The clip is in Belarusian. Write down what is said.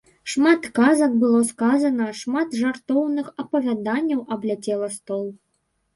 Шмат казак было сказана, шмат жартоўных апавяданняў абляцела стол.